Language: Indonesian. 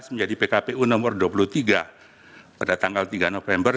menjadi pkpu nomor dua puluh tiga pada tanggal tiga november